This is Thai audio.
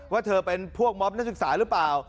ว่าเธอเป็นพวกม็อบนักศึกษาหรือเปล่า